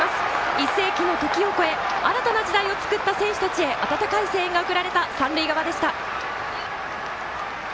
一世紀の時を越え新たな歴史を作った選手たちへ温かい声援が送られた三塁側でした。